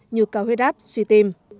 như cao huyết áp suy tim